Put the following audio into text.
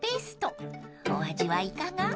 ［お味はいかが？］